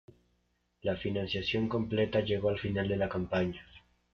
La financiación completa llegó al final de la campaña.